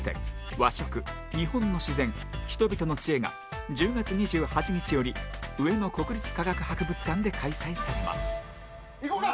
「和食日本の自然、人々の知恵」が１０月２８日より上野国立科学博物館で開催されますいこうか。